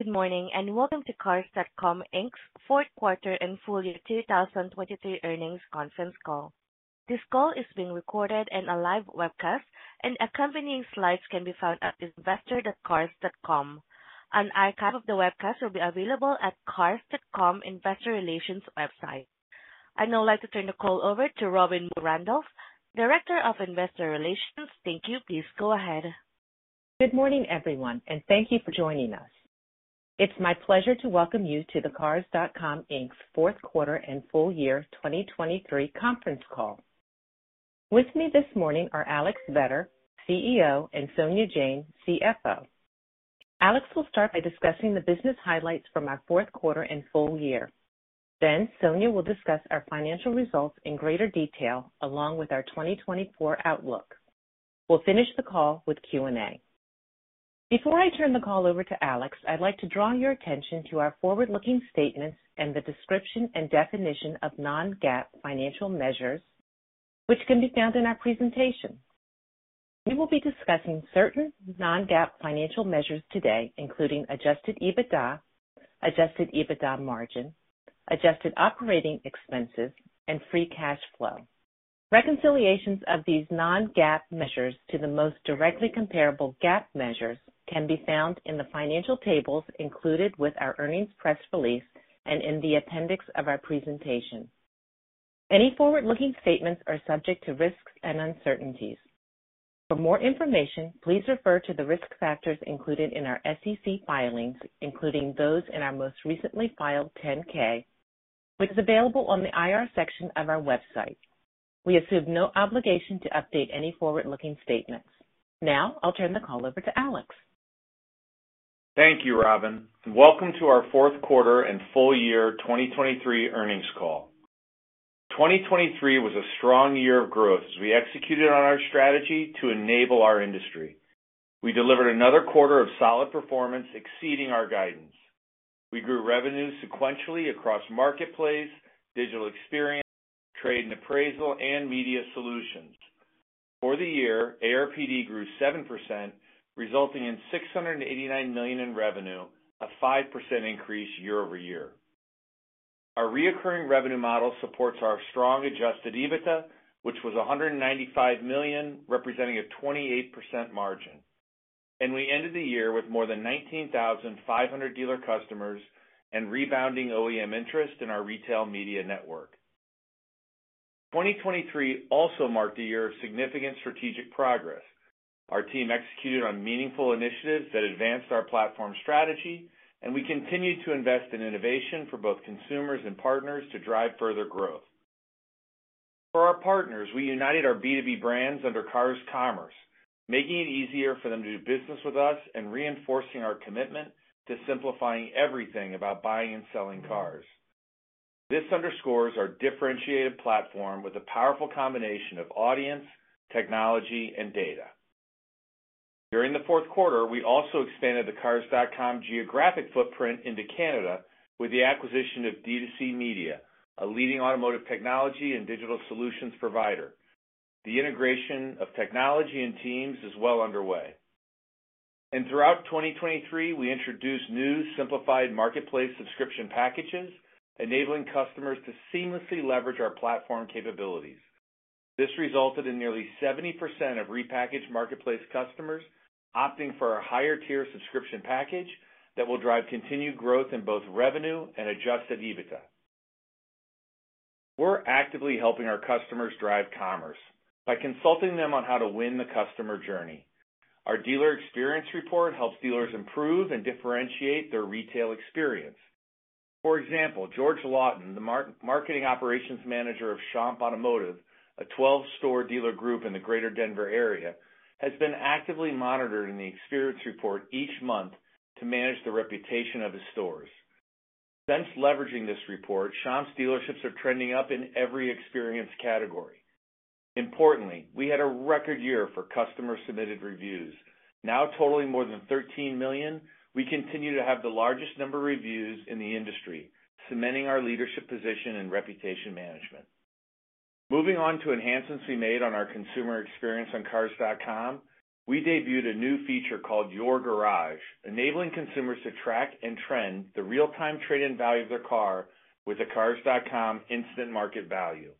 Good morning and welcome to Cars.com Inc.'s Q4 and full year 2023 earnings conference call. This call is being recorded, and a live webcast, and accompanying slides can be found at investor.cars.com. An archive of the webcast will be available at Cars.com Investor Relations website. I'd now like to turn the call over to Robbin Moore-Randolph, Director, Investor Relations. Thank you. Please go ahead. Good morning, everyone, and thank you for joining us. It's my pleasure to welcome you to the Cars.com Inc.'s Q4 and full year 2023 conference call. With me this morning are Alex Vetter, CEO, and Sonia Jain, CFO. Alex will start by discussing the business highlights from our Q4 and full year. Then Sonia will discuss our financial results in greater detail along with our 2024 outlook. We'll finish the call with Q&A. Before I turn the call over to Alex, I'd like to draw your attention to our forward-looking statements and the description and definition of non-GAAP financial measures, which can be found in our presentation. We will be discussing certain non-GAAP financial measures today, including Adjusted EBITDA, Adjusted EBITDA Margin, Adjusted Operating Expenses, and Free Cash Flow. Reconciliations of these non-GAAP measures to the most directly comparable GAAP measures can be found in the financial tables included with our earnings press release and in the appendix of our presentation. Any forward-looking statements are subject to risks and uncertainties. For more information, please refer to the risk factors included in our SEC filings, including those in our most recently filed 10-K, which is available on the IR section of our website. We assume no obligation to update any forward-looking statements. Now I'll turn the call over to Alex. Thank you, Robbin, and welcome to our Q4 and full year 2023 earnings call. 2023 was a strong year of growth as we executed on our strategy to enable our industry. We delivered another quarter of solid performance exceeding our guidance. We grew revenue sequentially across marketplace, digital experience, trade and appraisal, and media solutions. For the year, ARPD grew 7%, resulting in $689 million in revenue, a 5% increase year-over-year. Our recurring revenue model supports our strong adjusted EBITDA, which was $195 million, representing a 28% margin. We ended the year with more than 19,500 dealer customers and rebounding OEM interest in our retail media network. 2023 also marked a year of significant strategic progress. Our team executed on meaningful initiatives that advanced our platform strategy, and we continued to invest in innovation for both consumers and partners to drive further growth. For our partners, we united our B2B brands under Cars Commerce, making it easier for them to do business with us and reinforcing our commitment to simplifying everything about buying and selling cars. This underscores our differentiated platform with a powerful combination of audience, technology, and data. During the fourth quarter, we also expanded the Cars.com geographic footprint into Canada with the acquisition of D2C Media, a leading automotive technology and digital solutions provider. The integration of technology and teams is well underway. Throughout 2023, we introduced new simplified marketplace subscription packages, enabling customers to seamlessly leverage our platform capabilities. This resulted in nearly 70% of repackaged marketplace customers opting for a higher-tier subscription package that will drive continued growth in both revenue and Adjusted EBITDA. We're actively helping our customers drive commerce by consulting them on how to win the customer journey. Our Dealer Experience Report helps dealers improve and differentiate their retail experience. For example, George Lawton, the marketing operations manager of Schomp Automotive, a 12-store dealer group in the Greater Denver area, has been actively monitoring the experience report each month to manage the reputation of his stores. Since leveraging this report, Shomp's dealerships are trending up in every experience category. Importantly, we had a record year for customer-submitted reviews. Now totaling more than 13 million, we continue to have the largest number of reviews in the industry, cementing our leadership position in reputation management. Moving on to enhancements we made on our consumer experience on Cars.com, we debuted a new feature called Your Garage, enabling consumers to track and trend the real-time trade-in value of their car with a Cars.com instant market value.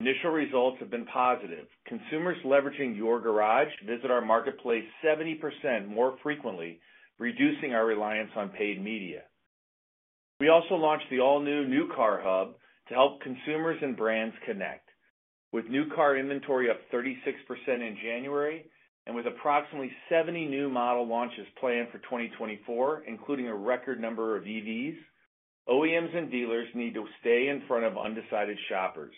Initial results have been positive. Consumers leveraging Your Garage visit our marketplace 70% more frequently, reducing our reliance on paid media. We also launched the all-new New Car Hub to help consumers and brands connect. With New Car inventory up 36% in January and with approximately 70 new model launches planned for 2024, including a record number of EVs, OEMs and dealers need to stay in front of undecided shoppers.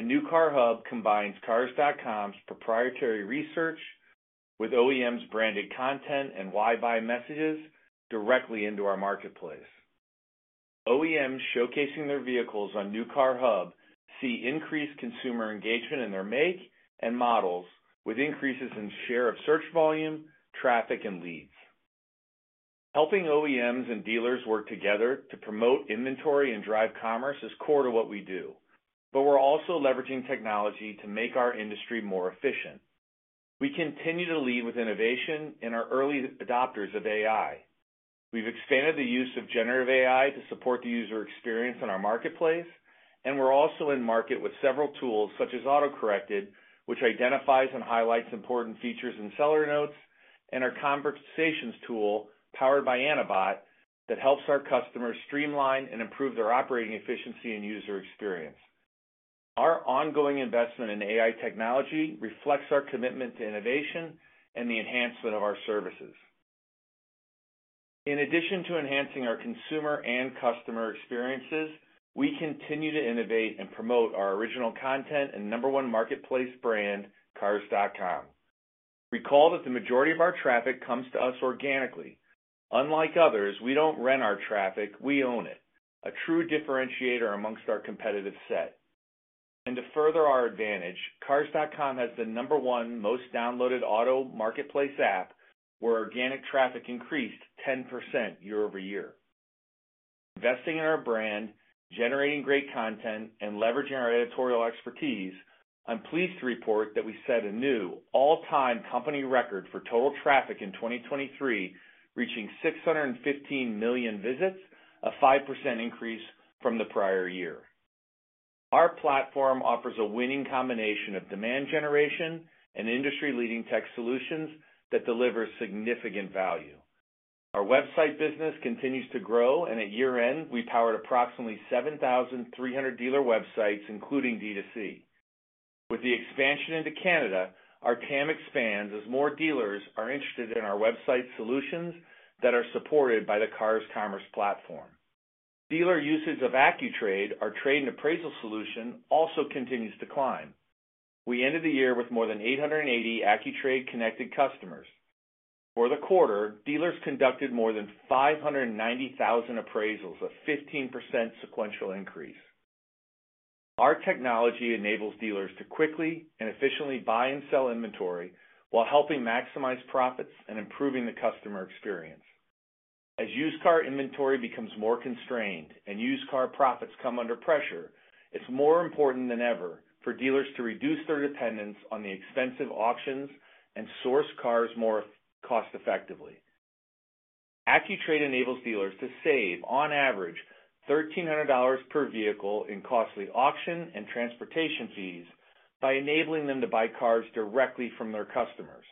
New Car Hub combines Cars.com's proprietary research with OEMs' branded content and why-buy messages directly into our marketplace. OEMs showcasing their vehicles on New Car Hub see increased consumer engagement in their make and models with increases in share of search volume, traffic, and leads. Helping OEMs and dealers work together to promote inventory and drive commerce is core to what we do, but we're also leveraging technology to make our industry more efficient. We continue to lead with innovation and are early adopters of AI. We've expanded the use of generative AI to support the user experience in our marketplace, and we're also in market with several tools such as AutoCorrected, which identifies and highlights important features in seller notes, and our conversations tool powered by Ana Bot that helps our customers streamline and improve their operating efficiency and user experience. Our ongoing investment in AI technology reflects our commitment to innovation and the enhancement of our services. In addition to enhancing our consumer and customer experiences, we continue to innovate and promote our original content and number one marketplace brand, Cars.com. Recall that the majority of our traffic comes to us organically. Unlike others, we don't rent our traffic. We own it, a true differentiator amongst our competitive set. To further our advantage, Cars.com has the #1 most downloaded auto marketplace app, where organic traffic increased 10% year-over-year. Investing in our brand, generating great content, and leveraging our editorial expertise, I'm pleased to report that we set a new all-time company record for total traffic in 2023, reaching 615 million visits, a 5% increase from the prior year. Our platform offers a winning combination of demand generation and industry-leading tech solutions that delivers significant value. Our website business continues to grow, and at year-end, we powered approximately 7,300 dealer websites, including D2C. With the expansion into Canada, our TAM expands as more dealers are interested in our website solutions that are supported by the Cars Commerce platform. Dealer usage of AccuTrade, our trade and appraisal solution, also continues to climb. We ended the year with more than 880 AccuTrade connected customers. For the quarter, dealers conducted more than 590,000 appraisals, a 15% sequential increase. Our technology enables dealers to quickly and efficiently buy and sell inventory while helping maximize profits and improving the customer experience. As used car inventory becomes more constrained and used car profits come under pressure, it's more important than ever for dealers to reduce their dependence on the expensive auctions and source cars more cost-effectively. AccuTrade enables dealers to save, on average, $1,300 per vehicle in costly auction and transportation fees by enabling them to buy cars directly from their customers.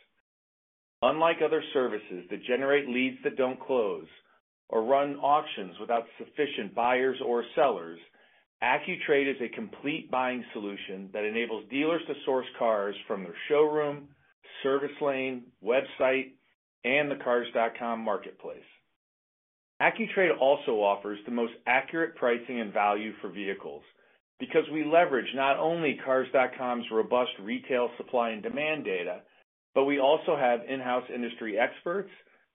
Unlike other services that generate leads that don't close or run auctions without sufficient buyers or sellers, AccuTrade is a complete buying solution that enables dealers to source cars from their showroom, service lane, website, and the Cars.com marketplace. AccuTrade also offers the most accurate pricing and value for vehicles because we leverage not only Cars.com's robust retail supply and demand data, but we also have in-house industry experts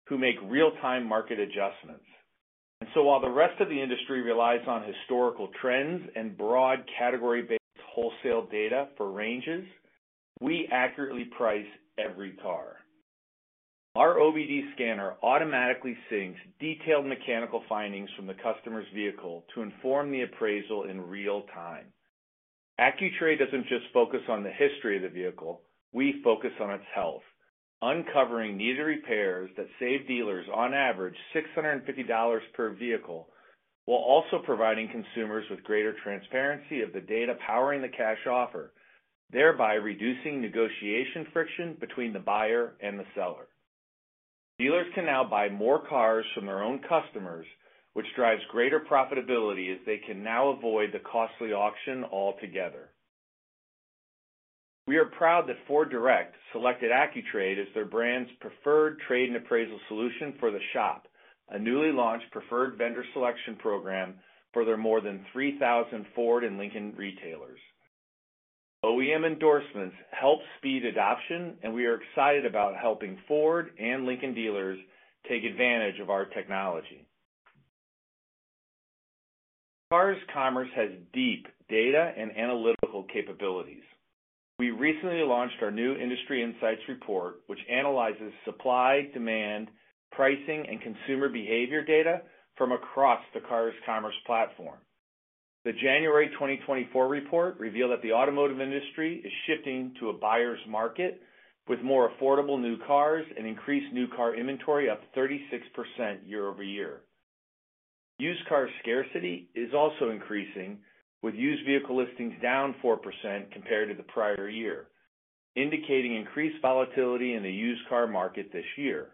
who make real-time market adjustments. And so while the rest of the industry relies on historical trends and broad category-based wholesale data for ranges, we accurately price every car. Our OBD Scanner automatically syncs detailed mechanical findings from the customer's vehicle to inform the appraisal in real time. AccuTrade doesn't just focus on the history of the vehicle. We focus on its health, uncovering needed repairs that save dealers, on average, $650 per vehicle while also providing consumers with greater transparency of the data powering the cash offer, thereby reducing negotiation friction between the buyer and the seller. Dealers can now buy more cars from their own customers, which drives greater profitability as they can now avoid the costly auction altogether. We are proud that FordDirect selected AccuTrade as their brand's preferred trade and appraisal solution for The Shop, a newly launched preferred vendor selection program for their more than 3,000 Ford and Lincoln retailers. OEM endorsements help speed adoption, and we are excited about helping Ford and Lincoln dealers take advantage of our technology. Cars Commerce has deep data and analytical capabilities. We recently launched our new Industry Insights report, which analyzes supply, demand, pricing, and consumer behavior data from across the Cars Commerce platform. The January 2024 report revealed that the automotive industry is shifting to a buyer's market with more affordable new cars and increased new car inventory up 36% year-over-year. Used car scarcity is also increasing, with used vehicle listings down 4% compared to the prior year, indicating increased volatility in the used car market this year.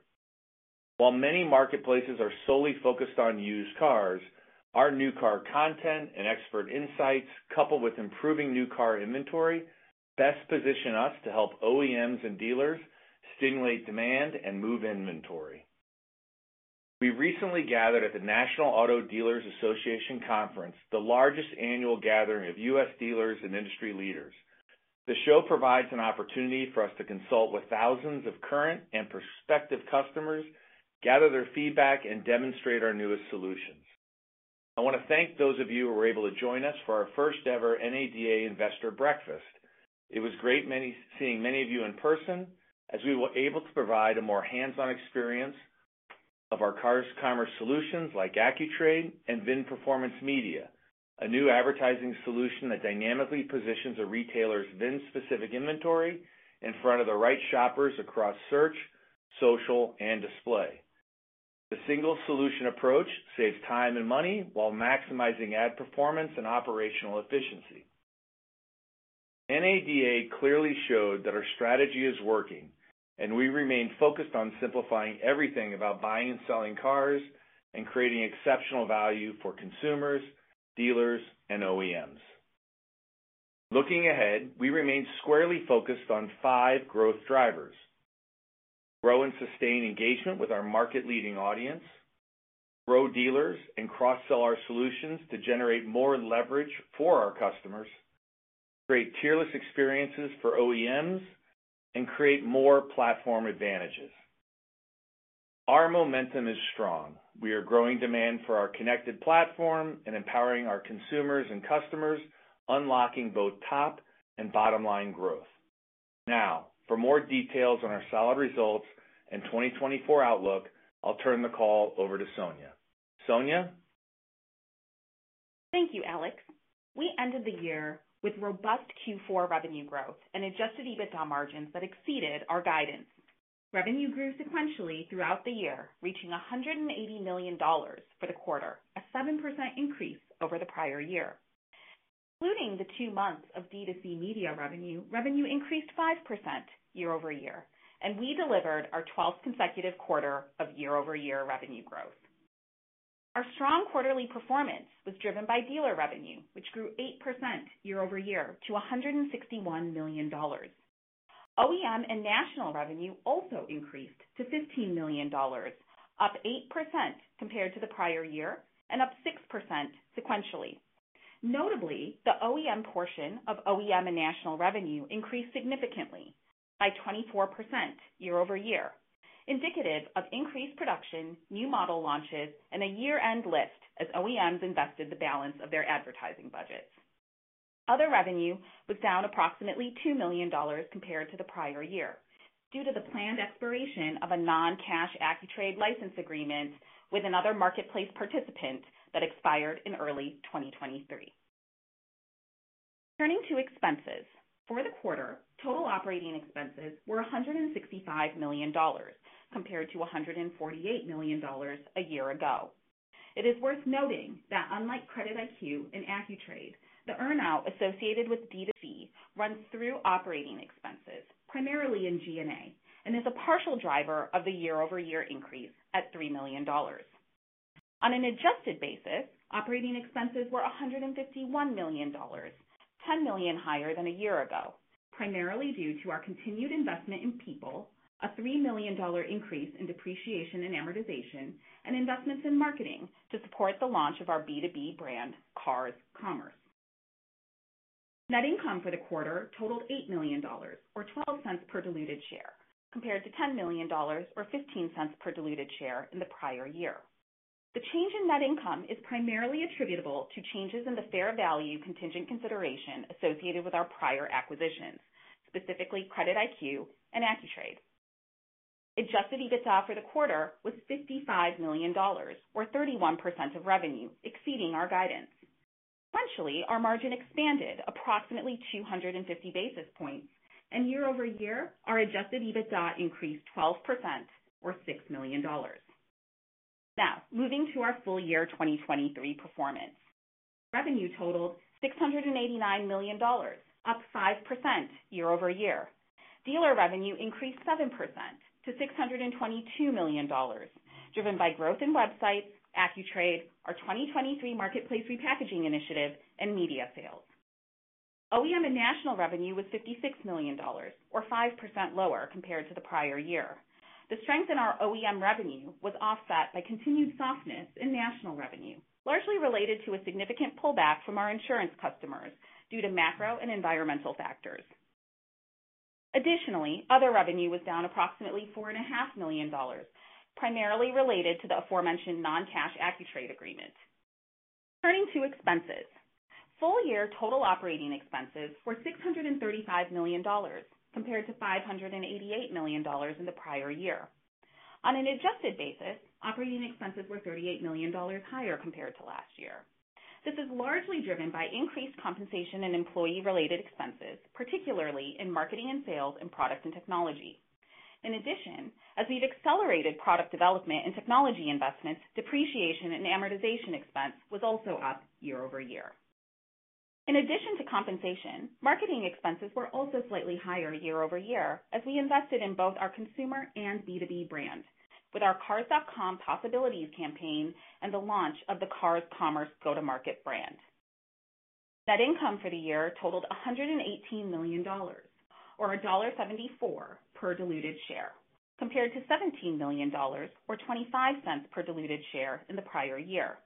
While many marketplaces are solely focused on used cars, our new car content and expert insights, coupled with improving new car inventory, best position us to help OEMs and dealers stimulate demand and move inventory. We recently gathered at the National Auto Dealers Association Conference, the largest annual gathering of U.S. dealers and industry leaders. The show provides an opportunity for us to consult with thousands of current and prospective customers, gather their feedback, and demonstrate our newest solutions. I want to thank those of you who were able to join us for our first-ever NADA Investor Breakfast. It was great seeing many of you in person as we were able to provide a more hands-on experience of our Cars Commerce solutions like AccuTrade and VIN Performance Media, a new advertising solution that dynamically positions a retailer's VIN-specific inventory in front of the right shoppers across search, social, and display. The single solution approach saves time and money while maximizing ad performance and operational efficiency. NADA clearly showed that our strategy is working, and we remain focused on simplifying everything about buying and selling cars and creating exceptional value for consumers, dealers, and OEMs. Looking ahead, we remain squarely focused on five growth drivers: grow and sustain engagement with our market-leading audience, grow dealers and cross-sell our solutions to generate more leverage for our customers, create tierless experiences for OEMs, and create more platform advantages. Our momentum is strong. We are growing demand for our connected platform and empowering our consumers and customers, unlocking both top and bottom-line growth. Now, for more details on our solid results and 2024 outlook, I'll turn the call over to Sonia. Sonia? Thank you, Alex. We ended the year with robust Q4 revenue growth and adjusted EBITDA margins that exceeded our guidance. Revenue grew sequentially throughout the year, reaching $180 million for the quarter, a 7% increase over the prior year. Including the two months of D2C Media revenue, revenue increased 5% year-over-year, and we delivered our 12th consecutive quarter of year-over-year revenue growth. Our strong quarterly performance was driven by dealer revenue, which grew 8% year-over-year to $161 million. OEM and national revenue also increased to $15 million, up 8% compared to the prior year and up 6% sequentially. Notably, the OEM portion of OEM and national revenue increased significantly by 24% year-over-year, indicative of increased production, new model launches, and a year-end lift as OEMs invested the balance of their advertising budgets. Other revenue was down approximately $2 million compared to the prior year due to the planned expiration of a non-cash AccuTrade license agreement with another marketplace participant that expired in early 2023. Turning to expenses, for the quarter, total operating expenses were $165 million compared to $148 million a year ago. It is worth noting that, unlike CreditIQ and AccuTrade, the earnout associated with D2C runs through operating expenses, primarily in G&A, and is a partial driver of the year-over-year increase at $3 million. On an adjusted basis, operating expenses were $151 million, $10 million higher than a year ago, primarily due to our continued investment in people, a $3 million increase in depreciation and amortization, and investments in marketing to support the launch of our B2B brand Cars Commerce. Net income for the quarter totaled $8 million or $0.12 per diluted share compared to $10 million or $0.15 per diluted share in the prior year. The change in net income is primarily attributable to changes in the fair value contingent consideration associated with our prior acquisitions, specifically CreditIQ and AccuTrade. Adjusted EBITDA for the quarter was $55 million or 31% of revenue, exceeding our guidance. Eventually, our margin expanded approximately 250 basis points, and year-over-year, our Adjusted EBITDA increased 12% or $6 million. Now, moving to our full-year 2023 performance. Revenue totaled $689 million, up 5% year-over-year. Dealer revenue increased 7% to $622 million, driven by growth in websites, AccuTrade, our 2023 marketplace repackaging initiative, and media sales. OEM and national revenue was $56 million or 5% lower compared to the prior year. The strength in our OEM revenue was offset by continued softness in national revenue, largely related to a significant pullback from our insurance customers due to macro and environmental factors. Additionally, other revenue was down approximately $4.5 million, primarily related to the aforementioned non-cash AccuTrade agreement. Turning to expenses, full-year total operating expenses were $635 million compared to $588 million in the prior year. On an adjusted basis, operating expenses were $38 million higher compared to last year. This is largely driven by increased compensation and employee-related expenses, particularly in marketing and sales and product and technology. In addition, as we've accelerated product development and technology investments, depreciation and amortization expense was also up year-over-year. In addition to compensation, marketing expenses were also slightly higher year-over-year as we invested in both our consumer and B2B brand with our Cars.com Possibilities campaign and the launch of the Cars Commerce go-to-market brand. Net income for the year totaled $118 million or $1.74 per diluted share compared to $17 million or $0.25 per diluted share in the prior year.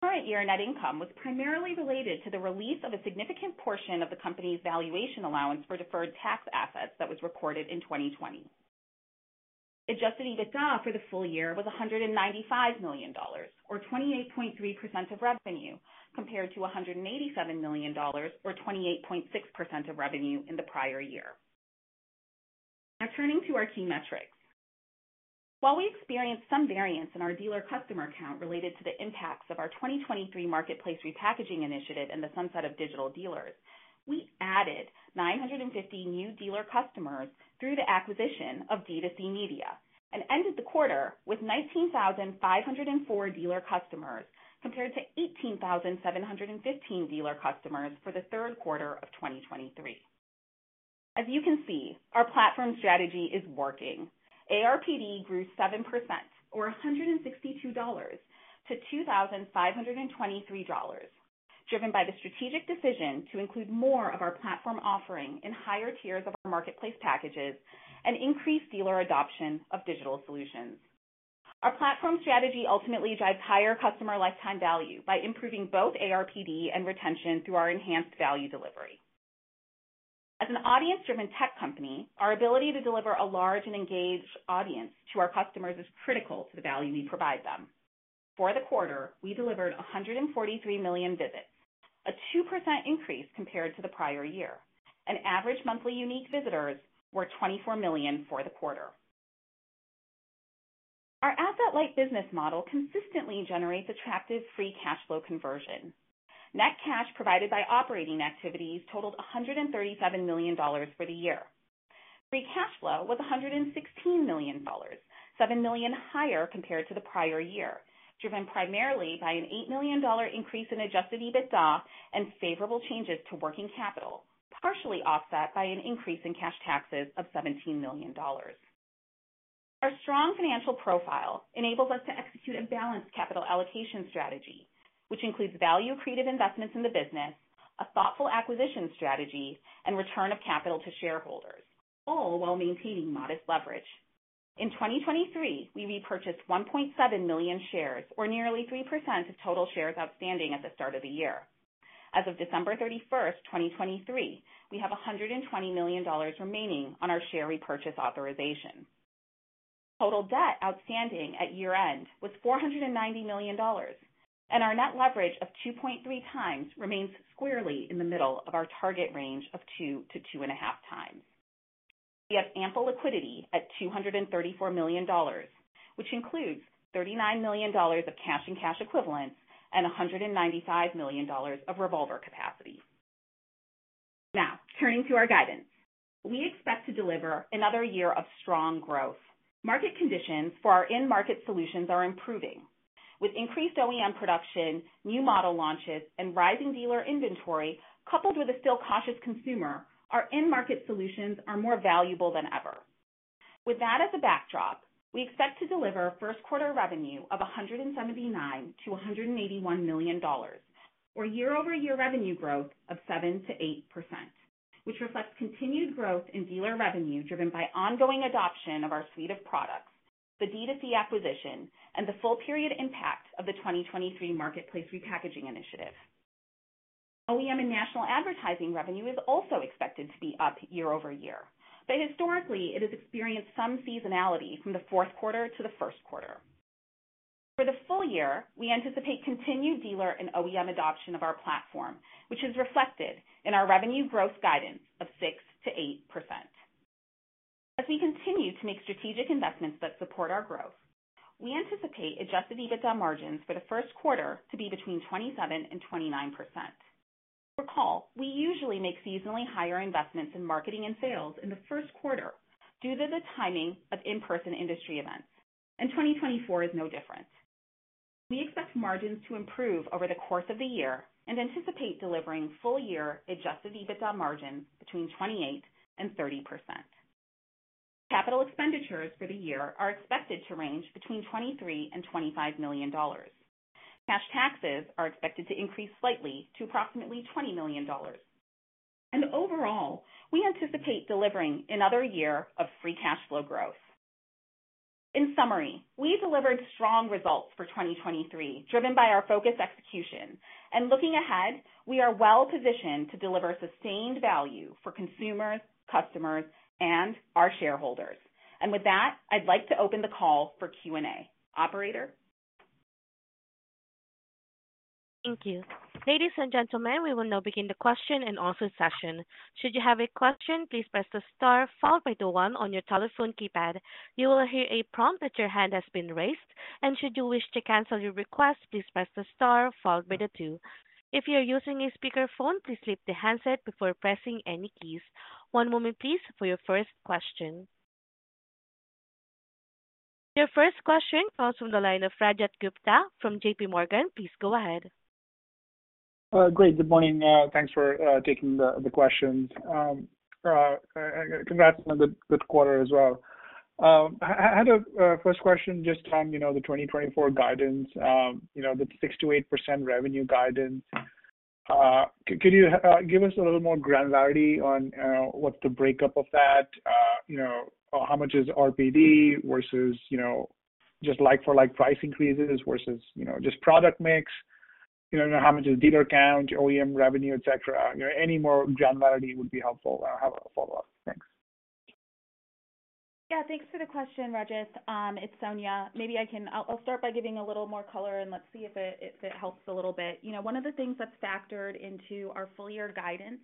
Current-year net income was primarily related to the release of a significant portion of the company's valuation allowance for deferred tax assets that was recorded in 2020. Adjusted EBITDA for the full year was $195 million or 28.3% of revenue compared to $187 million or 28.6% of revenue in the prior year. Now, turning to our key metrics. While we experienced some variance in our dealer customer count related to the impacts of our 2023 marketplace repackaging initiative and the sunset of digital dealers, we added 950 new dealer customers through the acquisition of D2C Media and ended the quarter with 19,504 dealer customers compared to 18,715 dealer customers for the third quarter of 2023. As you can see, our platform strategy is working. ARPD grew 7% or $162 to $2,523, driven by the strategic decision to include more of our platform offering in higher tiers of our marketplace packages and increase dealer adoption of digital solutions. Our platform strategy ultimately drives higher customer lifetime value by improving both ARPD and retention through our enhanced value delivery. As an audience-driven tech company, our ability to deliver a large and engaged audience to our customers is critical to the value we provide them. For the quarter, we delivered 143 million visits, a 2% increase compared to the prior year, and average monthly unique visitors were 24 million for the quarter. Our asset-like business model consistently generates attractive free cash flow conversion. Net cash provided by operating activities totaled $137 million for the year. Free cash flow was $116 million, $7 million higher compared to the prior year, driven primarily by an $8 million increase in Adjusted EBITDA and favorable changes to working capital, partially offset by an increase in cash taxes of $17 million. Our strong financial profile enables us to execute a balanced capital allocation strategy, which includes value-creative investments in the business, a thoughtful acquisition strategy, and return of capital to shareholders, all while maintaining modest leverage. In 2023, we repurchased 1.7 million shares or nearly 3% of total shares outstanding at the start of the year. As of December 31st, 2023, we have $120 million remaining on our share repurchase authorization. Total debt outstanding at year-end was $490 million, and our net leverage of 2.3 times remains squarely in the middle of our target range of 2-2.5 times. We have ample liquidity at $234 million, which includes $39 million of cash and cash equivalents and $195 million of revolver capacity. Now, turning to our guidance. We expect to deliver another year of strong growth. Market conditions for our in-market solutions are improving. With increased OEM production, new model launches, and rising dealer inventory coupled with a still cautious consumer, our in-market solutions are more valuable than ever. With that as a backdrop, we expect to deliver first-quarter revenue of $179-$181 million or year-over-year revenue growth of 7%-8%, which reflects continued growth in dealer revenue driven by ongoing adoption of our suite of products, the D2C acquisition, and the full-period impact of the 2023 marketplace repackaging initiative. OEM and national advertising revenue is also expected to be up year over year, but historically, it has experienced some seasonality from the fourth quarter to the first quarter. For the full year, we anticipate continued dealer and OEM adoption of our platform, which is reflected in our revenue growth guidance of 6%-8%. As we continue to make strategic investments that support our growth, we anticipate adjusted EBITDA margins for the first quarter to be between 27% and 29%. Recall, we usually make seasonally higher investments in marketing and sales in the first quarter due to the timing of in-person industry events, and 2024 is no different. We expect margins to improve over the course of the year and anticipate delivering full-year adjusted EBITDA margins between 28%-30%. Capital expenditures for the year are expected to range between $23-$25 million. Cash taxes are expected to increase slightly to approximately $20 million. Overall, we anticipate delivering another year of free cash flow growth. In summary, we delivered strong results for 2023 driven by our focused execution. Looking ahead, we are well positioned to deliver sustained value for consumers, customers, and our shareholders. With that, I'd like to open the call for Q&A. Operator? Thank you. Ladies and gentlemen, we will now begin the question and answer session. Should you have a question, please press the star followed by the 1 on your telephone keypad. You will hear a prompt that your hand has been raised. Should you wish to cancel your request, please press the star followed by the 2. If you are using a speakerphone, please leave the handset before pressing any keys. One moment, please, for your first question. Your first question comes from the line of Rajat Gupta from JP Morgan. Please go ahead. Great. Good morning. Thanks for taking the questions. Congrats on a good quarter as well. I had a first question just on the 2024 guidance, the 6%-8% revenue guidance. Could you give us a little more granularity on what's the breakdown of that? How much is RPD versus just like-for-like price increases versus just product mix? How much is dealer count, OEM revenue, etc.? Any more granularity would be helpful. I'll have a follow-up. Thanks. Yeah. Thanks for the question, Rajat. It's Sonia. Maybe I'll start by giving a little more color, and let's see if it helps a little bit. One of the things that's factored into our full-year guidance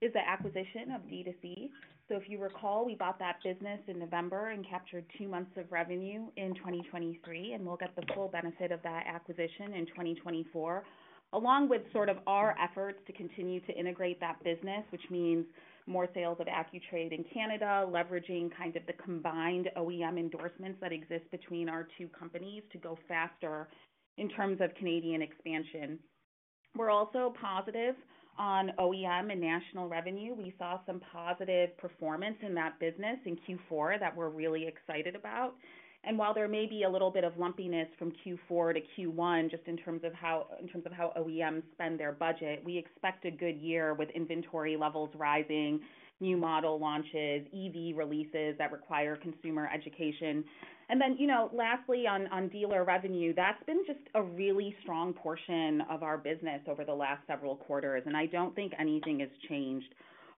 is the acquisition of D2C. So if you recall, we bought that business in November and captured two months of revenue in 2023. And we'll get the full benefit of that acquisition in 2024 along with sort of our efforts to continue to integrate that business, which means more sales of AccuTrade in Canada, leveraging kind of the combined OEM endorsements that exist between our two companies to go faster in terms of Canadian expansion. We're also positive on OEM and national revenue. We saw some positive performance in that business in Q4 that we're really excited about. While there may be a little bit of lumpiness from Q4 to Q1 just in terms of how OEMs spend their budget, we expect a good year with inventory levels rising, new model launches, EV releases that require consumer education. And then lastly, on dealer revenue, that's been just a really strong portion of our business over the last several quarters. And I don't think anything has changed.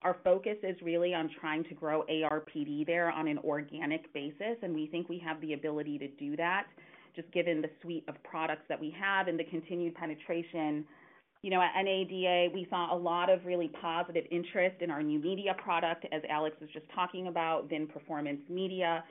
Our focus is really on trying to grow ARPD there on an organic basis. And we think we have the ability to do that just given the suite of products that we have and the continued penetration. At NADA, we saw a lot of really positive interest in our new media product, as Alex was just talking about, VinPerformance Media.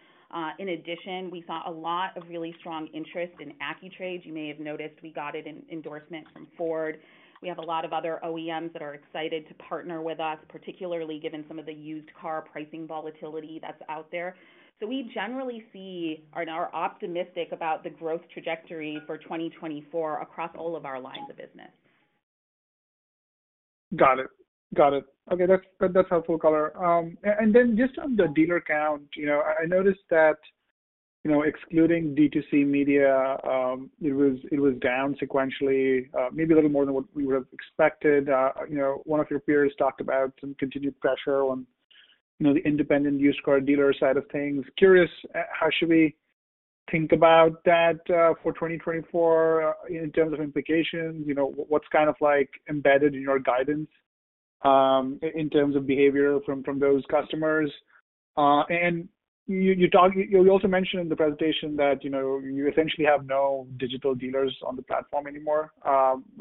In addition, we saw a lot of really strong interest in AccuTrade. You may have noticed we got an endorsement from Ford. We have a lot of other OEMs that are excited to partner with us, particularly given some of the used car pricing volatility that's out there. So we generally see and are optimistic about the growth trajectory for 2024 across all of our lines of business. Got it. Got it. Okay. That's helpful color. And then just on the dealer count, I noticed that excluding D2C Media, it was down sequentially, maybe a little more than what we would have expected. One of your peers talked about some continued pressure on the independent used car dealer side of things. Curious, how should we think about that for 2024 in terms of implications? What's kind of embedded in your guidance in terms of behavior from those customers? And you also mentioned in the presentation that you essentially have no digital dealers on the platform anymore.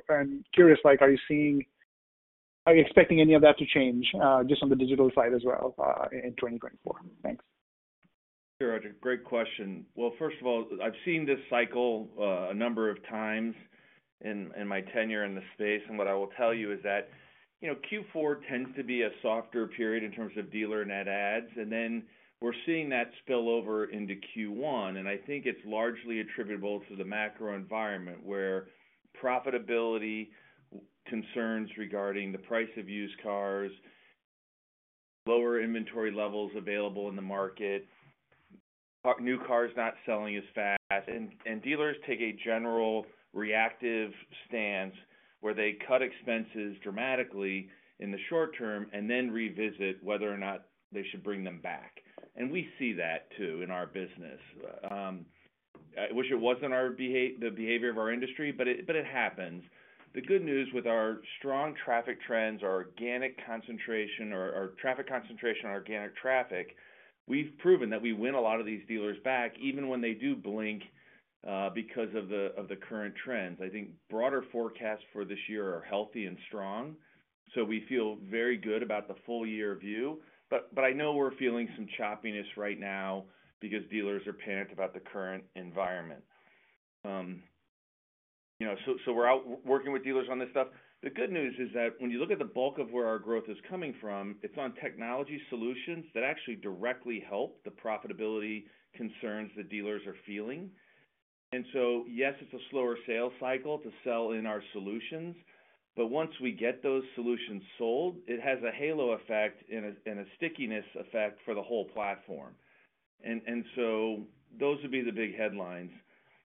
And curious, are you expecting any of that to change just on the digital side as well in 2024? Thanks. Sure, Rajat. Great question. Well, first of all, I've seen this cycle a number of times in my tenure in the space. What I will tell you is that Q4 tends to be a softer period in terms of dealer net ads. Then we're seeing that spill over into Q1. I think it's largely attributable to the macro environment where profitability concerns regarding the price of used cars, lower inventory levels available in the market, new cars not selling as fast, and dealers take a general reactive stance where they cut expenses dramatically in the short term and then revisit whether or not they should bring them back. We see that too in our business. I wish it wasn't the behavior of our industry, but it happens. The good news with our strong traffic trends, our traffic concentration on organic traffic, we've proven that we win a lot of these dealers back even when they do blink because of the current trends. I think broader forecasts for this year are healthy and strong. So we feel very good about the full-year view. But I know we're feeling some choppiness right now because dealers are paranoid about the current environment. So we're out working with dealers on this stuff. The good news is that when you look at the bulk of where our growth is coming from, it's on technology solutions that actually directly help the profitability concerns that dealers are feeling. And so yes, it's a slower sales cycle to sell in our solutions. But once we get those solutions sold, it has a halo effect and a stickiness effect for the whole platform. Those would be the big headlines.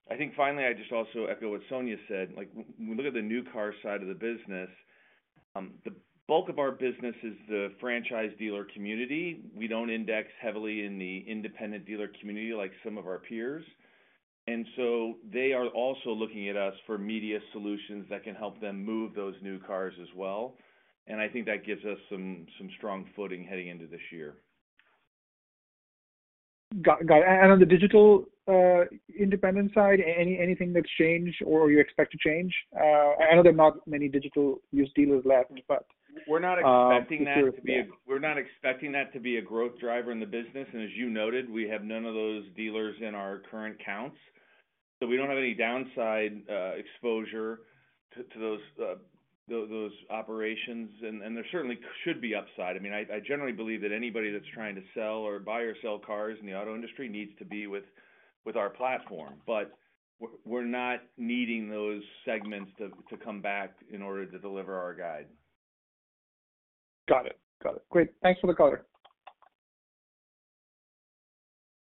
I think finally, I just also echo what Sonia said. When we look at the new car side of the business, the bulk of our business is the franchise dealer community. We don't index heavily in the independent dealer community like some of our peers. They are also looking at us for media solutions that can help them move those new cars as well. I think that gives us some strong footing heading into this year. Got it. And on the digital independent side, anything that's changed or you expect to change? I know there are not many digital used dealers left, but. We're not expecting that to be a growth driver in the business. And as you noted, we have none of those dealers in our current counts. So we don't have any downside exposure to those operations. And there certainly should be upside. I mean, I generally believe that anybody that's trying to sell or buy or sell cars in the auto industry needs to be with our platform. But we're not needing those segments to come back in order to deliver our guide. Got it. Got it. Great. Thanks for the color.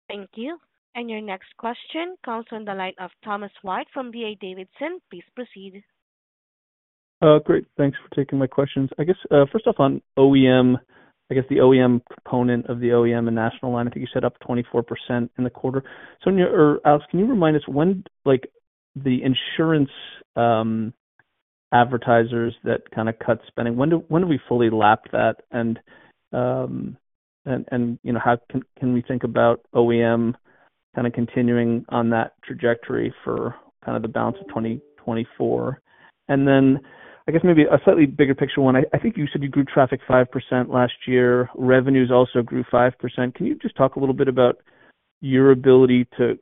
Thank you. Your next question comes from the line of Thomas White from D.A. Davidson. Please proceed. Great. Thanks for taking my questions. I guess first off, on OEM, I guess the OEM component of the OEM and national line, I think you said up 24% in the quarter. Sonia or Alex, can you remind us when the insurance advertisers that kind of cut spending, when have we fully lapped that? And how can we think about OEM kind of continuing on that trajectory for kind of the balance of 2024? And then I guess maybe a slightly bigger picture one. I think you said you grew traffic 5% last year. Revenues also grew 5%. Can you just talk a little bit about your ability to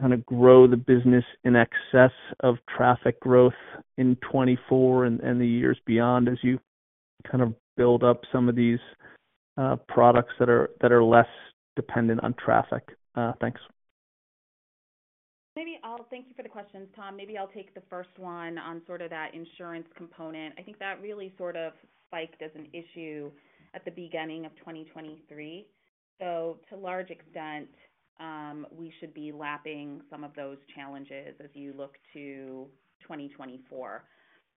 kind of grow the business in excess of traffic growth in 2024 and the years beyond as you kind of build up some of these products that are less dependent on traffic? Thanks. Maybe I'll thank you for the questions, Tom. Maybe I'll take the first one on sort of that insurance component. I think that really sort of spiked as an issue at the beginning of 2023. So to large extent, we should be lapping some of those challenges as you look to 2024.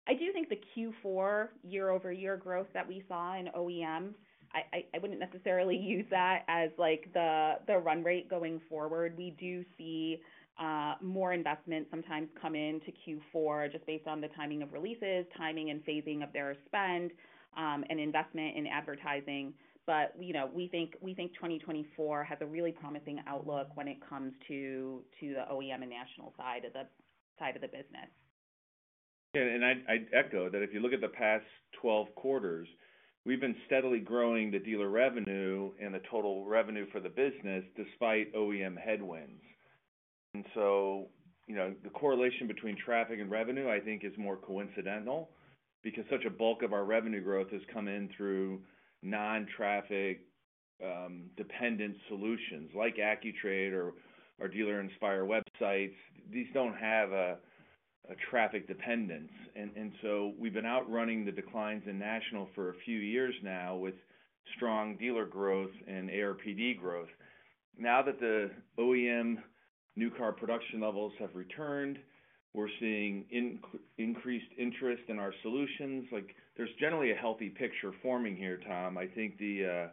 I do think the Q4 year-over-year growth that we saw in OEM, I wouldn't necessarily use that as the run rate going forward. We do see more investment sometimes come into Q4 just based on the timing of releases, timing and phasing of their spend, and investment in advertising. But we think 2024 has a really promising outlook when it comes to the OEM and national side of the business. I'd echo that if you look at the past 12 quarters, we've been steadily growing the dealer revenue and the total revenue for the business despite OEM headwinds. So the correlation between traffic and revenue, I think, is more coincidental because such a bulk of our revenue growth has come in through non-traffic-dependent solutions like AccuTrade or Dealer Inspire websites. These don't have a traffic dependence. So we've been outrunning the declines in national for a few years now with strong dealer growth and ARPD growth. Now that the OEM new car production levels have returned, we're seeing increased interest in our solutions. There's generally a healthy picture forming here, Tom. I think the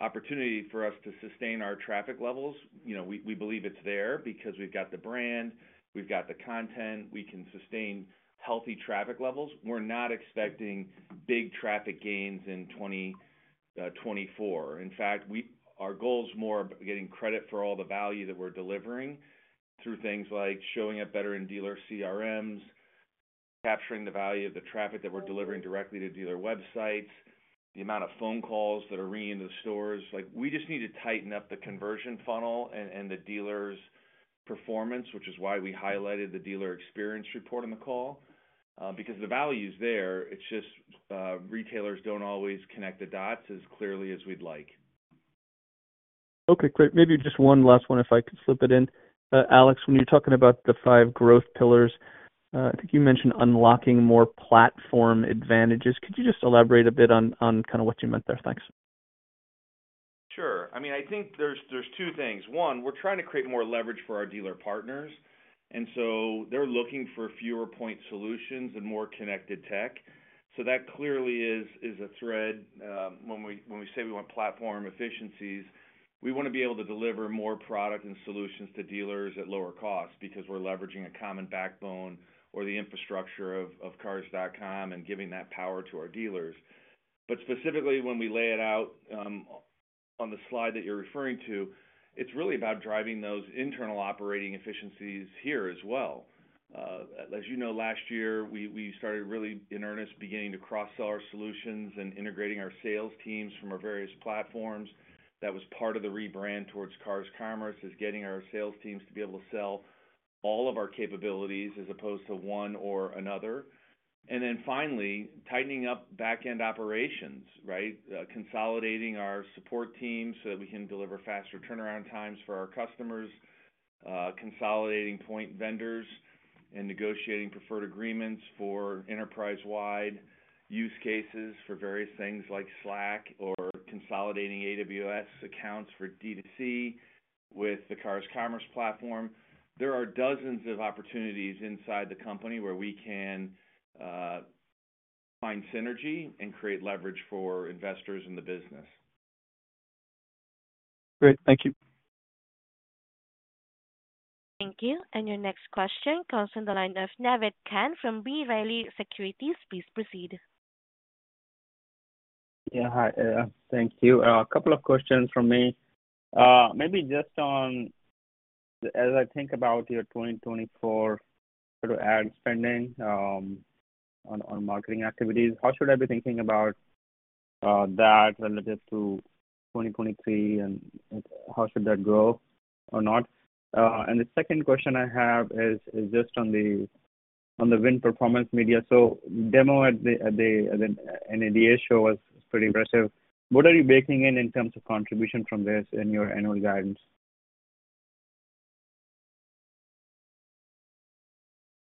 opportunity for us to sustain our traffic levels; we believe it's there because we've got the brand, we've got the content. We can sustain healthy traffic levels. We're not expecting big traffic gains in 2024. In fact, our goal is more getting credit for all the value that we're delivering through things like showing up better in dealer CRMs, capturing the value of the traffic that we're delivering directly to dealer websites, the amount of phone calls that are ringing into the stores. We just need to tighten up the conversion funnel and the dealer's performance, which is why we highlighted the Dealer Experience Report on the call. Because the value is there, it's just retailers don't always connect the dots as clearly as we'd like. Okay. Great. Maybe just one last one if I could slip it in. Alex, when you're talking about the five growth pillars, I think you mentioned unlocking more platform advantages. Could you just elaborate a bit on kind of what you meant there? Thanks. Sure. I mean, I think there's two things. One, we're trying to create more leverage for our dealer partners. And so they're looking for fewer point solutions and more connected tech. So that clearly is a thread. When we say we want platform efficiencies, we want to be able to deliver more product and solutions to dealers at lower cost because we're leveraging a common backbone or the infrastructure of Cars.com and giving that power to our dealers. But specifically, when we lay it out on the slide that you're referring to, it's really about driving those internal operating efficiencies here as well. As you know, last year, we started really in earnest beginning to cross-sell our solutions and integrating our sales teams from our various platforms. That was part of the rebrand towards Cars Commerce, getting our sales teams to be able to sell all of our capabilities as opposed to one or another. And then finally, tightening up backend operations, right? Consolidating our support team so that we can deliver faster turnaround times for our customers, consolidating point vendors, and negotiating preferred agreements for enterprise-wide use cases for various things like Slack or consolidating AWS accounts for D2C with the Cars Commerce platform. There are dozens of opportunities inside the company where we can find synergy and create leverage for investors in the business. Great. Thank you. Thank you. And your next question comes from the line of Naved Khan from B. Riley Securities. Please proceed. Yeah. Hi. Thank you. A couple of questions from me. Maybe just as I think about your 2024 sort of ad spending on marketing activities, how should I be thinking about that relative to 2023, and how should that grow or not? And the second question I have is just on the VinPerformance Media. So the demo at the NADA show was pretty impressive. What are you baking in in terms of contribution from this in your annual guidance?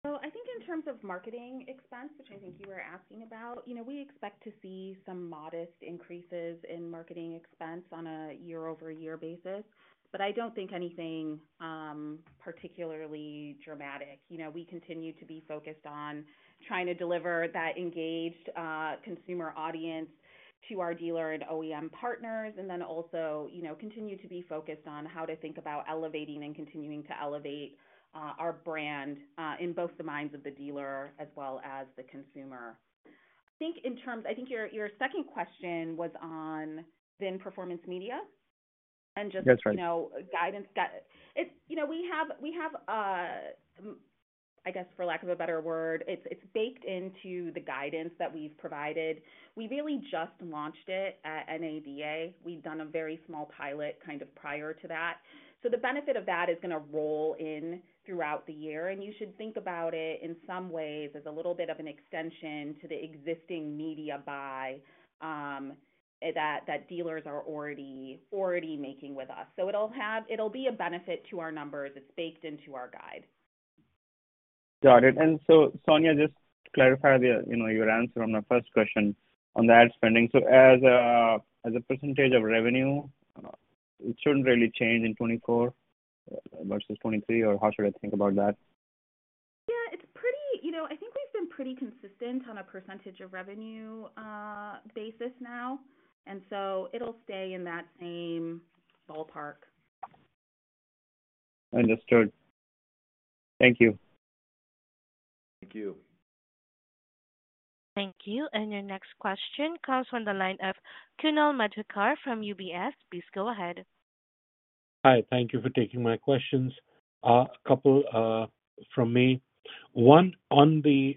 So I think in terms of marketing expense, which I think you were asking about, we expect to see some modest increases in marketing expense on a year-over-year basis. But I don't think anything particularly dramatic. We continue to be focused on trying to deliver that engaged consumer audience to our dealer and OEM partners and then also continue to be focused on how to think about elevating and continuing to elevate our brand in both the minds of the dealer as well as the consumer. I think in terms I think your second question was on VinPerformance Media and just guidance. We have, I guess, for lack of a better word, it's baked into the guidance that we've provided. We really just launched it at NADA. We'd done a very small pilot kind of prior to that. So the benefit of that is going to roll in throughout the year. And you should think about it in some ways as a little bit of an extension to the existing media buy that dealers are already making with us. So it'll be a benefit to our numbers. It's baked into our guide. Got it. And so, Sonia, just clarify your answer on the first question on the ad spending. So as a percentage of revenue, it shouldn't really change in 2024 versus 2023, or how should I think about that? Yeah. I think we've been pretty consistent on a percentage of revenue basis now. And so it'll stay in that same ballpark. Understood. Thank you. Thank you. Thank you. Your next question comes from the line of Kunal Madhukar from UBS. Please go ahead. Hi. Thank you for taking my questions. A couple from me. One, on the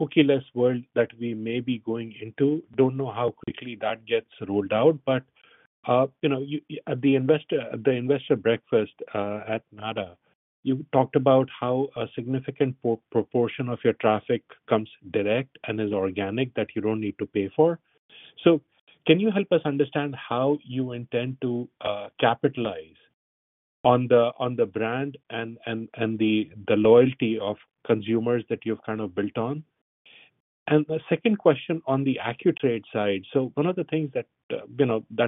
cookieless world that we may be going into, don't know how quickly that gets rolled out. But at the investor breakfast at NADA, you talked about how a significant proportion of your traffic comes direct and is organic that you don't need to pay for. So can you help us understand how you intend to capitalize on the brand and the loyalty of consumers that you've kind of built on? And the second question on the AccuTrade side, so one of the things that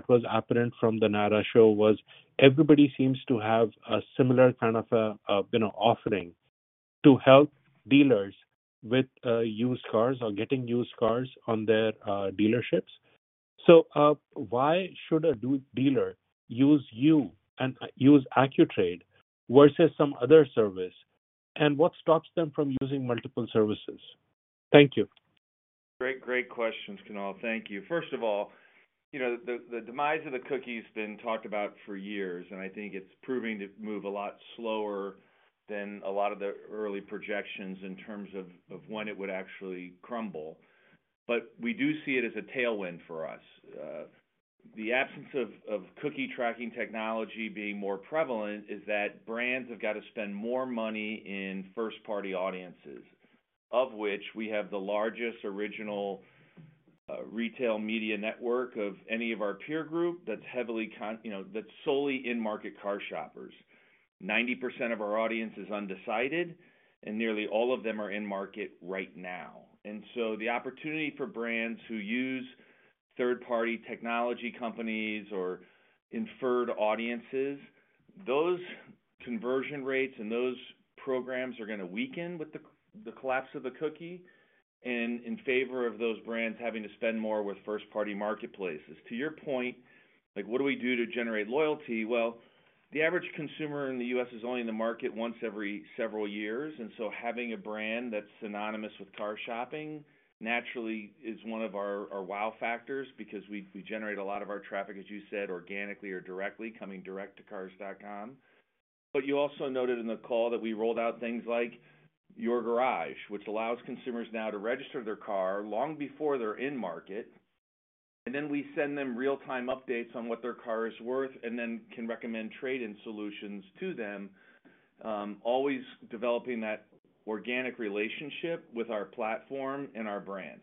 was apparent from the NADA show was everybody seems to have a similar kind of offering to help dealers with used cars or getting used cars on their dealerships. So why should a dealer use you and use AccuTrade versus some other service? And what stops them from using multiple services? Thank you. Great. Great questions, Kunal. Thank you. First of all, the demise of the cookie has been talked about for years, and I think it's proving to move a lot slower than a lot of the early projections in terms of when it would actually crumble. But we do see it as a tailwind for us. The absence of cookie tracking technology being more prevalent is that brands have got to spend more money in first-party audiences, of which we have the largest original retail media network of any of our peer group that's heavily solely in-market car shoppers. 90% of our audience is undecided, and nearly all of them are in market right now. The opportunity for brands who use third-party technology companies or inferred audiences, those conversion rates and those programs are going to weaken with the collapse of the cookie and in favor of those brands having to spend more with first-party marketplaces. To your point, what do we do to generate loyalty? Well, the average consumer in the U.S. is only in the market once every several years. Having a brand that's synonymous with car shopping naturally is one of our wow factors because we generate a lot of our traffic, as you said, organically or directly coming direct to Cars.com. But you also noted in the call that we rolled out things like Your Garage, which allows consumers now to register their car long before they're in market. And then we send them real-time updates on what their car is worth and then can recommend trade-in solutions to them, always developing that organic relationship with our platform and our brand.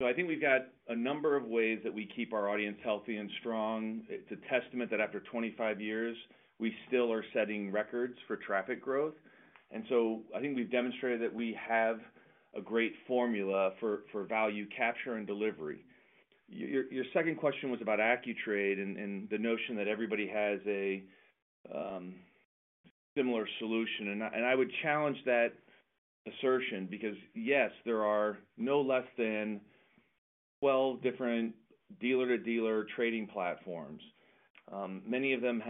So I think we've got a number of ways that we keep our audience healthy and strong. It's a testament that after 25 years, we still are setting records for traffic growth. And so I think we've demonstrated that we have a great formula for value capture and delivery. Your second question was about AccuTrade and the notion that everybody has a similar solution. And I would challenge that assertion because, yes, there are no less than 12 different dealer-to-dealer trading platforms. Many of them,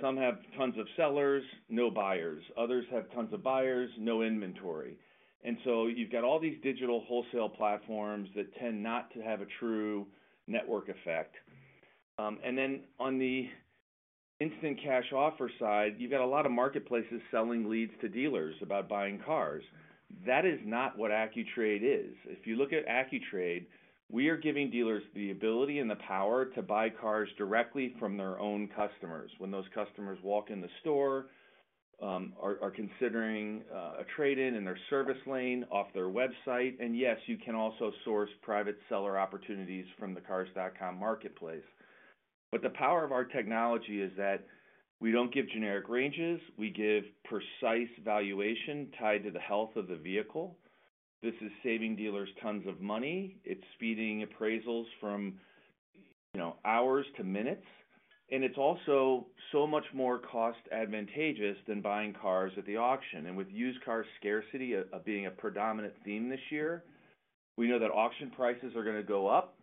some have tons of sellers, no buyers. Others have tons of buyers, no inventory. And so you've got all these digital wholesale platforms that tend not to have a true network effect. And then on the instant cash offer side, you've got a lot of marketplaces selling leads to dealers about buying cars. That is not what AccuTrade is. If you look at AccuTrade, we are giving dealers the ability and the power to buy cars directly from their own customers when those customers walk in the store, are considering a trade-in in their service lane off their website. And yes, you can also source private seller opportunities from the Cars.com marketplace. But the power of our technology is that we don't give generic ranges. We give precise valuation tied to the health of the vehicle. This is saving dealers tons of money. It's speeding appraisals from hours to minutes. And it's also so much more cost-advantageous than buying cars at the auction. With used car scarcity being a predominant theme this year, we know that auction prices are going to go up.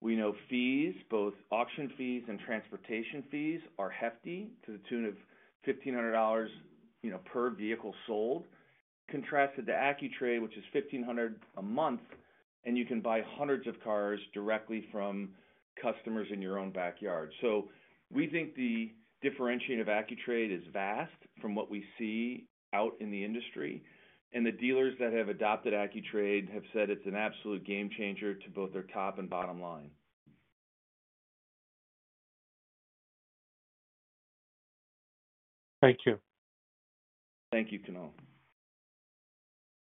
We know fees, both auction fees and transportation fees, are hefty to the tune of $1,500 per vehicle sold, contrasted to AccuTrade, which is $1,500 a month, and you can buy hundreds of cars directly from customers in your own backyard. We think the differentiating of AccuTrade is vast from what we see out in the industry. The dealers that have adopted AccuTrade have said it's an absolute game changer to both their top and bottom line. Thank you. Thank you, Kunal.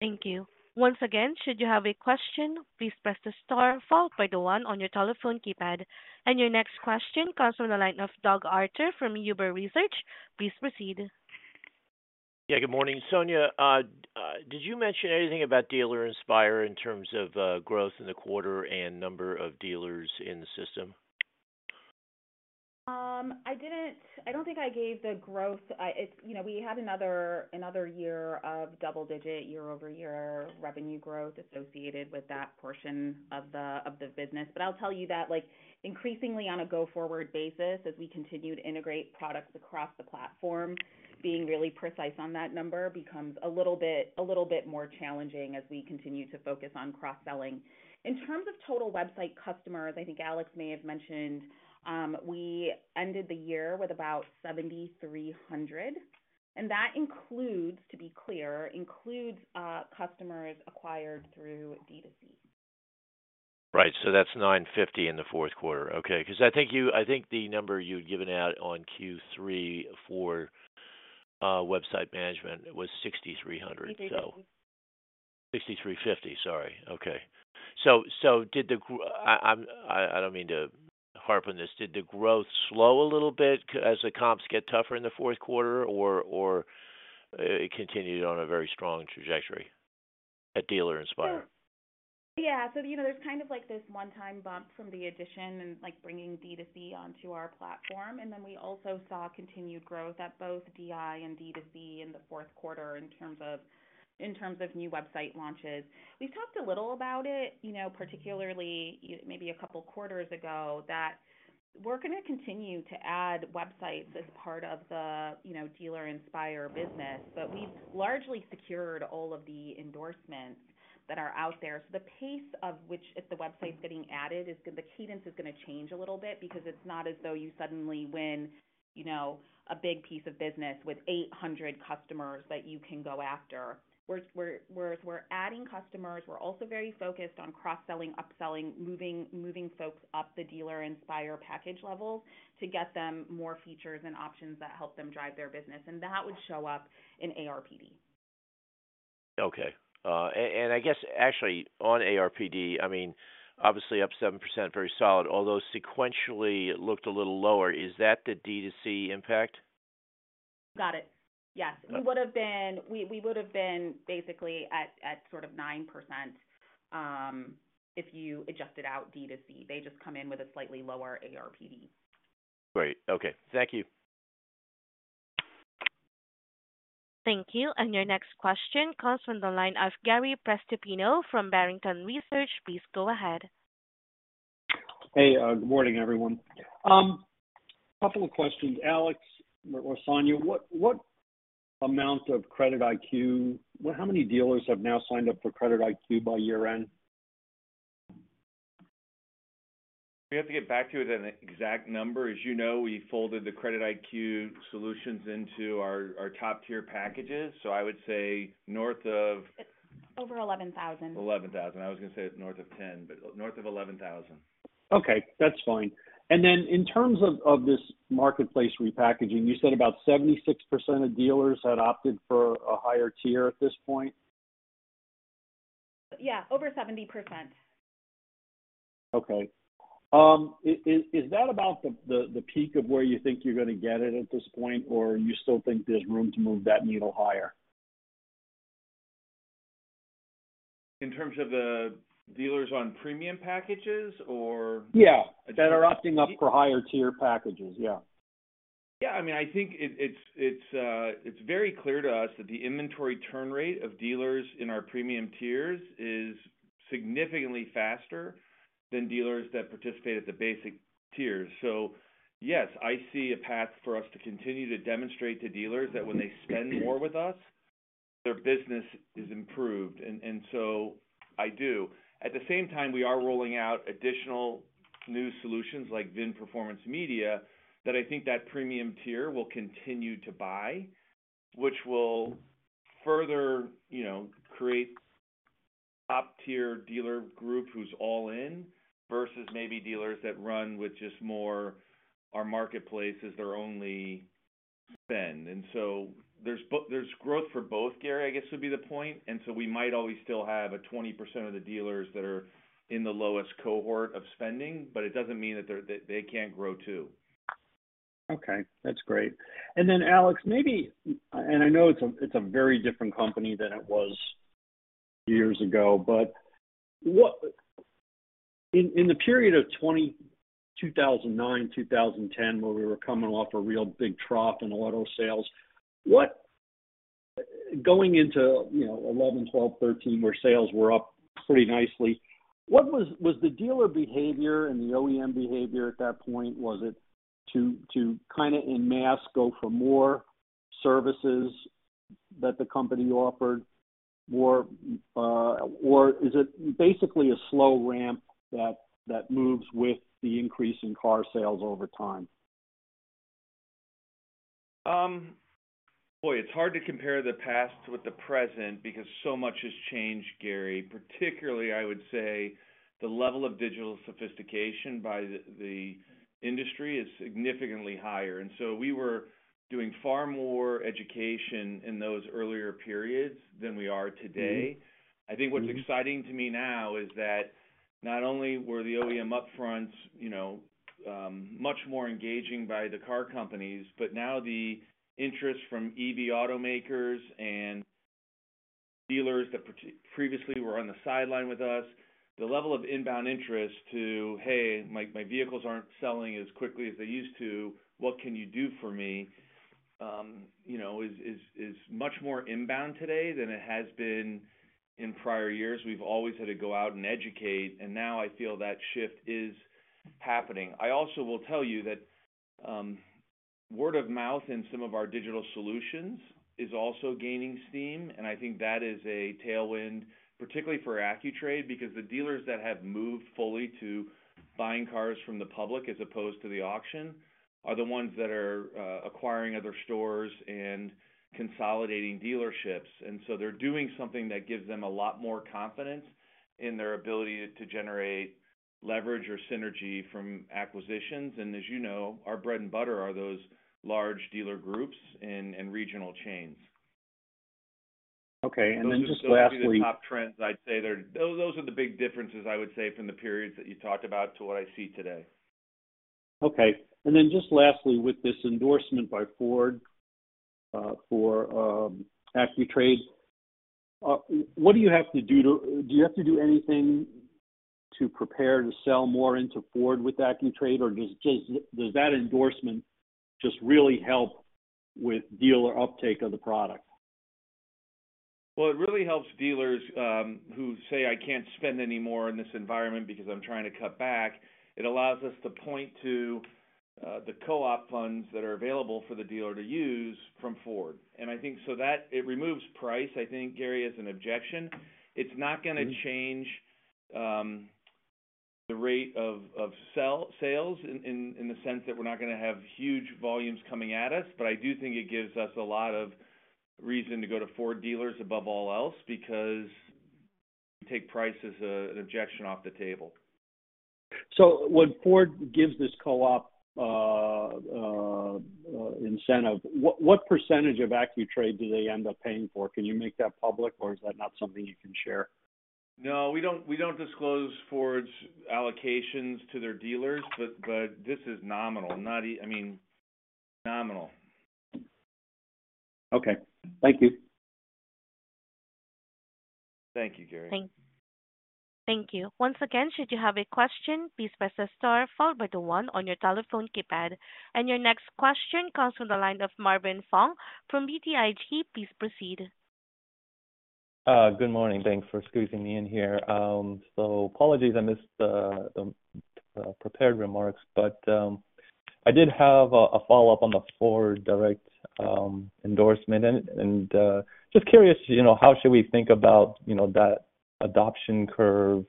Thank you. Once again, should you have a question, please press the star followed by the 1 on your telephone keypad. Your next question comes from the line of Doug Arthur from Huber Research. Please proceed. Yeah. Good morning, Sonia. Did you mention anything about Dealer Inspire in terms of growth in the quarter and number of dealers in the system? I don't think I gave the growth. We had another year of double-digit year-over-year revenue growth associated with that portion of the business. But I'll tell you that increasingly on a go-forward basis, as we continue to integrate products across the platform, being really precise on that number becomes a little bit more challenging as we continue to focus on cross-selling. In terms of total website customers, I think Alex may have mentioned, we ended the year with about 7,300. And that includes, to be clear, includes customers acquired through D2C. Right. So that's 950 in the fourth quarter. Okay. Because I think the number you'd given out on Q3 for website management was 6,300, so. 6,350. 6,350. Sorry. Okay. So did the—I don't mean to harp on this. Did the growth slow a little bit as the comps get tougher in the fourth quarter, or it continued on a very strong trajectory at Dealer Inspire? Yeah. So there's kind of this one-time bump from the addition and bringing D2C onto our platform. And then we also saw continued growth at both DI and D2C in the fourth quarter in terms of new website launches. We've talked a little about it, particularly maybe a couple quarters ago, that we're going to continue to add websites as part of the Dealer Inspire business. But we've largely secured all of the endorsements that are out there. So the pace of which the website's getting added, the cadence is going to change a little bit because it's not as though you suddenly win a big piece of business with 800 customers that you can go after. Whereas we're adding customers, we're also very focused on cross-selling, upselling, moving folks up the Dealer Inspire package levels to get them more features and options that help them drive their business. That would show up in ARPD. Okay. I guess, actually, on ARPD, I mean, obviously up 7%, very solid, although sequentially looked a little lower. Is that the D2C impact? Got it. Yes. We would have been basically at sort of 9% if you adjusted out D2C. They just come in with a slightly lower ARPD. Great. Okay. Thank you. Thank you. And your next question comes from the line of Gary Prestopino from Barrington Research. Please go ahead. Hey. Good morning, everyone. A couple of questions. Alex or Sonia, what amount of CreditIQ, how many dealers have now signed up for CreditIQ by year-end? We have to get back to it on the exact number. As you know, we folded the CreditIQ solutions into our top-tier packages. So I would say north of. It's over 11,000. 11,000. I was going to say north of 10, but north of 11,000. Okay. That's fine. And then in terms of this marketplace repackaging, you said about 76% of dealers had opted for a higher tier at this point? Yeah. Over 70%. Okay. Is that about the peak of where you think you're going to get it at this point, or you still think there's room to move that needle higher? In terms of the dealers on premium packages, or? Yeah. That are opting up for higher-tier packages. Yeah. Yeah. I mean, I think it's very clear to us that the inventory turn rate of dealers in our premium tiers is significantly faster than dealers that participate at the basic tiers. So yes, I see a path for us to continue to demonstrate to dealers that when they spend more with us, their business is improved. And so. I do. At the same time, we are rolling out additional new solutions like VinPerformance Media that I think that premium tier will continue to buy, which will further create top-tier dealer group who's all-in versus maybe dealers that run with just more our marketplace as their only spend. And so there's growth for both, Gary, I guess would be the point. And so we might always still have a 20% of the dealers that are in the lowest cohort of spending, but it doesn't mean that they can't grow too. Okay. That's great. Then, Alex, maybe, and I know it's a very different company than it was years ago, but in the period of 2009, 2010, where we were coming off a real big trough in auto sales, going into 2011, 2012, 2013, where sales were up pretty nicely, was the dealer behavior and the OEM behavior at that point, was it to kind of en masse go for more services that the company offered, or is it basically a slow ramp that moves with the increase in car sales over time? Boy, it's hard to compare the past with the present because so much has changed, Gary. Particularly, I would say the level of digital sophistication by the industry is significantly higher. And so we were doing far more education in those earlier periods than we are today. I think what's exciting to me now is that not only were the OEM upfronts much more engaging by the car companies, but now the interest from EV automakers and dealers that previously were on the sideline with us, the level of inbound interest to, "Hey, my vehicles aren't selling as quickly as they used to. What can you do for me?" is much more inbound today than it has been in prior years. We've always had to go out and educate. And now I feel that shift is happening. I also will tell you that word of mouth in some of our digital solutions is also gaining steam. And I think that is a tailwind, particularly for AccuTrade, because the dealers that have moved fully to buying cars from the public as opposed to the auction are the ones that are acquiring other stores and consolidating dealerships. And so they're doing something that gives them a lot more confidence in their ability to generate leverage or synergy from acquisitions. And as you know, our bread and butter are those large dealer groups and regional chains. Okay. And then just lastly. Those are the top trends, I'd say. Those are the big differences, I would say, from the periods that you talked about to what I see today. Okay. Then just lastly, with this endorsement by Ford for AccuTrade, what do you have to do? Do you have to do anything to prepare to sell more into Ford with AccuTrade, or does that endorsement just really help with dealer uptake of the product? Well, it really helps dealers who say, "I can't spend any more in this environment because I'm trying to cut back." It allows us to point to the co-op funds that are available for the dealer to use from Ford. And so it removes price. I think, Gary, is an objection. It's not going to change the rate of sales in the sense that we're not going to have huge volumes coming at us. But I do think it gives us a lot of reason to go to Ford dealers above all else because we take price as an objection off the table. When Ford gives this co-op incentive, what percentage of AccuTrade do they end up paying for? Can you make that public, or is that not something you can share? No. We don't disclose Ford's allocations to their dealers, but this is nominal. I mean, nominal. Okay. Thank you. Thank you, Gary. Thank you. Once again, should you have a question, please press the star followed by the 1 on your telephone keypad. And your next question comes from the line of Marvin Fong from BTIG. Please proceed. Good morning. Thanks for squeezing me in here. So apologies, I missed the prepared remarks. But I did have a follow-up on the Ford Direct endorsement. And just curious, how should we think about that adoption curve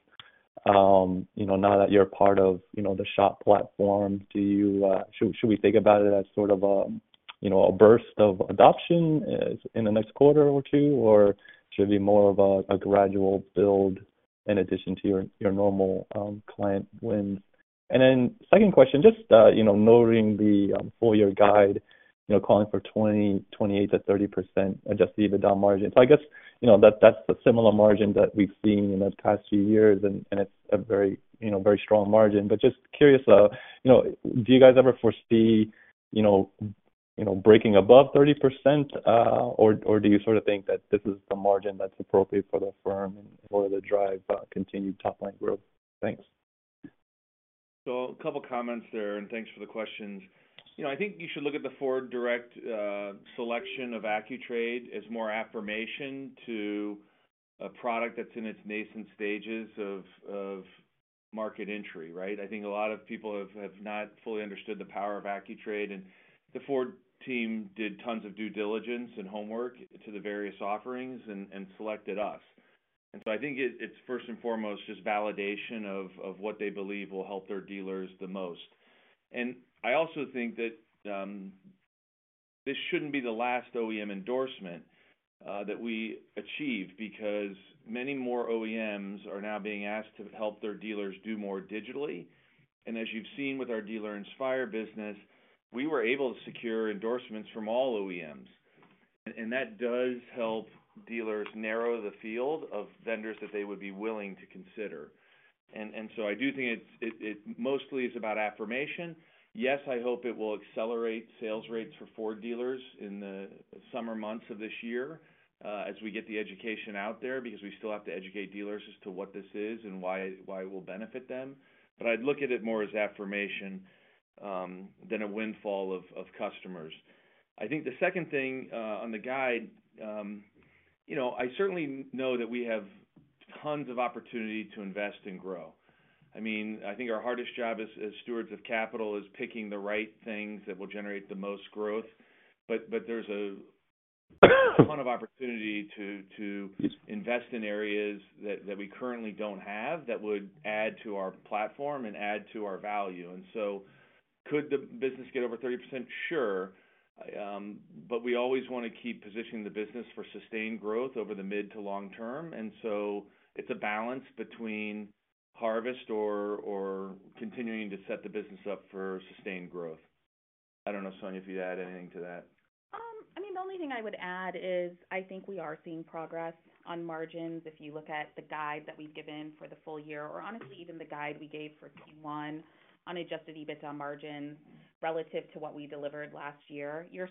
now that you're part of The Shop platform? Should we think about it as sort of a burst of adoption in the next quarter or two, or should it be more of a gradual build in addition to your normal client wins? And then second question, just noting the full-year guide calling for 28%-30% Adjusted EBITDA margin. So I guess that's a similar margin that we've seen in the past few years, and it's a very strong margin. Just curious, do you guys ever foresee breaking above 30%, or do you sort of think that this is the margin that's appropriate for the firm in order to drive continued top-line growth? Thanks. A couple comments there, and thanks for the questions. I think you should look at the Ford Direct selection of AccuTrade as more affirmation to a product that's in its nascent stages of market entry, right? I think a lot of people have not fully understood the power of AccuTrade. The Ford team did tons of due diligence and homework to the various offerings and selected us. So I think it's, first and foremost, just validation of what they believe will help their dealers the most. I also think that this shouldn't be the last OEM endorsement that we achieve because many more OEMs are now being asked to help their dealers do more digitally. As you've seen with our Dealer Inspire business, we were able to secure endorsements from all OEMs. That does help dealers narrow the field of vendors that they would be willing to consider. So I do think it mostly is about affirmation. Yes, I hope it will accelerate sales rates for Ford dealers in the summer months of this year as we get the education out there because we still have to educate dealers as to what this is and why it will benefit them. But I'd look at it more as affirmation than a windfall of customers. I think the second thing on the guide, I certainly know that we have tons of opportunity to invest and grow. I mean, I think our hardest job as stewards of capital is picking the right things that will generate the most growth. There's a ton of opportunity to invest in areas that we currently don't have that would add to our platform and add to our value. Could the business get over 30%? Sure. We always want to keep positioning the business for sustained growth over the mid to long term. It's a balance between harvest or continuing to set the business up for sustained growth. I don't know, Sonia, if you'd add anything to that. I mean, the only thing I would add is I think we are seeing progress on margins. If you look at the guide that we've given for the full year, or honestly, even the guide we gave for Q1 on adjusted EBITDA margins relative to what we delivered last year, you're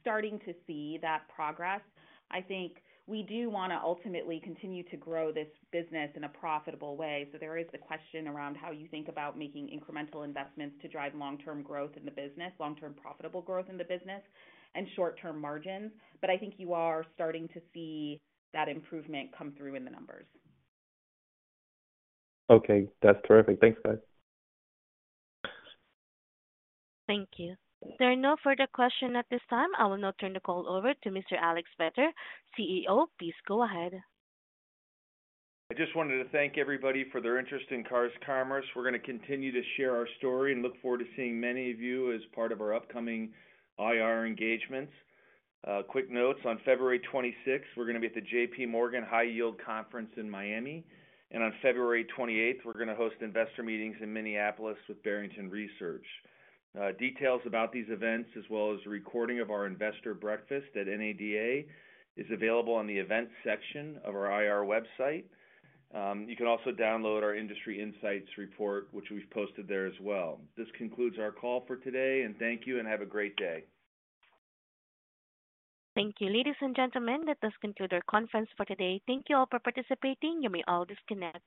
starting to see that progress. I think we do want to ultimately continue to grow this business in a profitable way. So there is the question around how you think about making incremental investments to drive long-term growth in the business, long-term profitable growth in the business, and short-term margins. But I think you are starting to see that improvement come through in the numbers. Okay. That's terrific. Thanks, guys. Thank you. There are no further questions at this time. I will now turn the call over to Mr. Alex Vetter, CEO. Please go ahead. I just wanted to thank everybody for their interest in Cars Commerce. We're going to continue to share our story and look forward to seeing many of you as part of our upcoming IR engagements. Quick notes, on 26th February, we're going to be at the JP Morgan High Yield Conference in Miami. On 28th February, we're going to host investor meetings in Minneapolis with Barrington Research. Details about these events, as well as a recording of our investor breakfast at NADA, is available on the events section of our IR website. You can also download our Industry Insights Report, which we've posted there as well. This concludes our call for today. Thank you, and have a great day. Thank you, ladies and gentlemen. That does conclude our conference for today. Thank you all for participating. You may all disconnect.